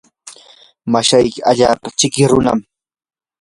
mashayki allaapa chiki runam.